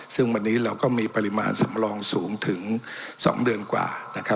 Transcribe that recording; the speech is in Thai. ซึ่งวันนี้เราก็มีปริมาณสำรองสูงถึง๒เดือนกว่า